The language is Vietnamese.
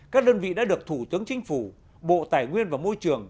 các đơn vị đã được thủ tướng chính phủ bộ tài nguyên và môi trường